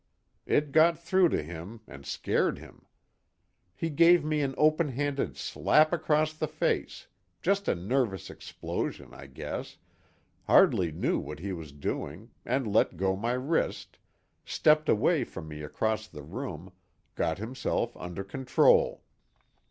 It got through to him, and scared him. He gave me an open handed slap across the face just a nervous explosion, I guess, hardly knew what he was doing and let go my wrist, stepped away from me across the room, got himself under control.